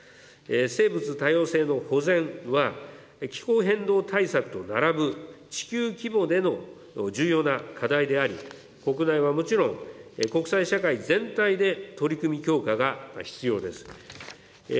生物多様性の保全は、気候変動対策と並ぶ地球規模での重要な課題であり、国内はもちろん、国際社会全体で取り組み強化が必要です。